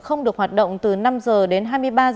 không được hoạt động từ năm h đến hai mươi ba h